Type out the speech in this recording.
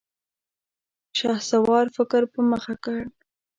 شهسوار فکر په مخه کړ.